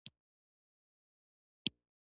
د ویب امنیت هیکینګ ته خنډ رامنځته کوي.